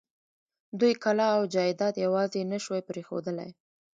دوی کلا او جايداد يواځې نه شوی پرېښودلای.